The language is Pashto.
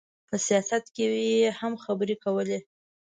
په سیاست کې یې هم خبرې کولې.